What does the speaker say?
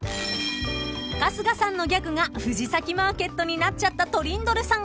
［春日さんのギャグが藤崎マーケットになっちゃったトリンドルさん］